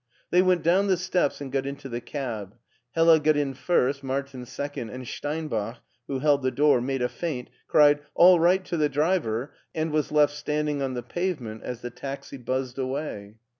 They went down the steps and got into the cab. Hella got in first, Martin second, and Steinbach, who held the door, made a feint, cried, " All right " to the driver, and was left standing on the pavement as the taxi buzzed away.